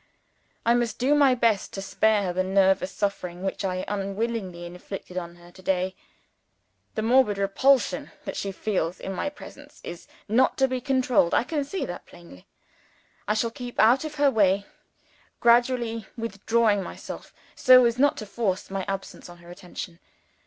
"I must do my best to spare her the nervous suffering which I unwillingly inflicted on her to day. The morbid repulsion that she feels in my presence is not to be controlled I can see that plainly. I shall keep out of her way; gradually withdrawing myself, so as not to force my absence on her attention.